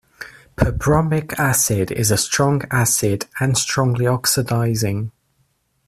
Perbromic acid is a strong acid and strongly oxidizing.